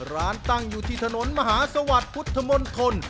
ร้านตั้งอยู่ที่ถนนมหาสวัสดิ์พุทธมนตร